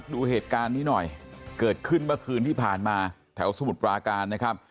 ดูเหตุการณ์นี้หน่อยเกิดขึ้นเมื่อคืนที่ผ่านมาแถวสมุทรปราการนะครับ